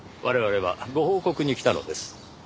我々はご報告に来たのです。